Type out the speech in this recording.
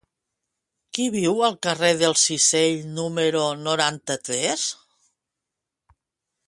Qui viu al carrer del Cisell número noranta-tres?